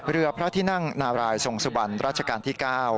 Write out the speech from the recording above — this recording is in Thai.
เรือพระที่นั่งนารายทรงสุบันราชการที่๙